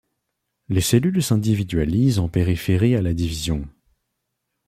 Les cellules s’individualisent en périphérie à la division.